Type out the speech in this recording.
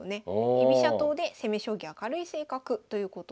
居飛車党で攻め将棋明るい性格ということです。